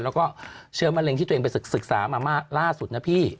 แล้วก็เชื้อมะเร็งที่ตัวเองไปศึกษามาล่าสุดนะพี่